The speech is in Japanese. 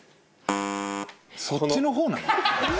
そっちの方なの？